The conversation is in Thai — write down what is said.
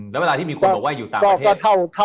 แล้วเวลาที่มีคนบอกว่าอยู่ต่างประเทศ